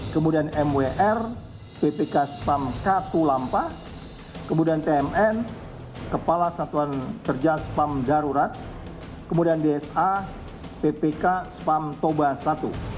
kemudian mwr ppk spam katulampa kemudian tmn kepala satuan kerja spam darurat kemudian dsa ppk spam toba satu